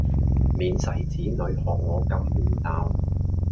免使子女學我咁胡鬧